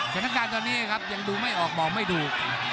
สถานการณ์ตอนนี้ยังดูไม่ออกบอบไม่ดุ